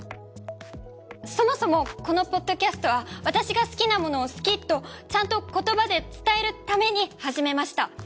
そもそもこのポッドキャストは私が好きなものを好きとちゃんと言葉で伝えるために始めました。